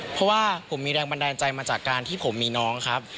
เพราะว่าผมมีแรงบันดาลใจมาจากการที่ผมมีน้องครับ